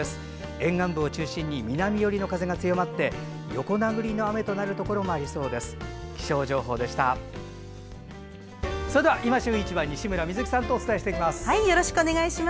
沿岸部を中心に南寄りの風が強まり横殴りの雨になるところもあるでしょう。